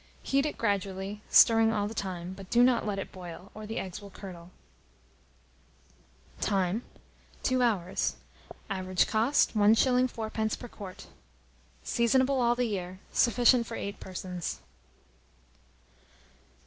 Heat it gradually, stirring all the time; but do not let it boil, or the eggs will curdle. Time. 2 hours. Average cost, 1s. 4d. per quart. Seasonable all the year. Sufficient for 8 persons.